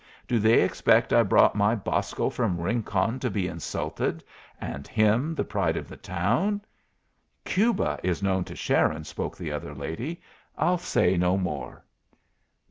Do they expect I brought my Bosco from Rincon to be insulted, and him the pride of the town?" "Cuba is known to Sharon," spoke the other lady. "I'll say no more."